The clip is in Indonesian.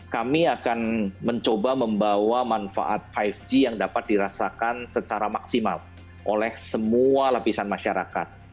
kami akan mencoba membawa manfaat lima g yang dapat dirasakan secara maksimal oleh semua lapisan masyarakat